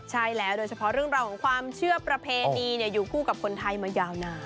ใช่แล้วโดยเฉพาะเรื่องราวของความเชื่อประเพณีอยู่คู่กับคนไทยมายาวนาน